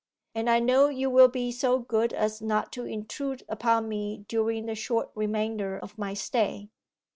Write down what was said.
'And I know you will be so good as not to intrude upon me during the short remainder of my stay?